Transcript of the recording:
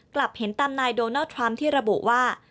กลับเห็นตามนายโดนัลด์ทรัมป์ที่ระบุว่า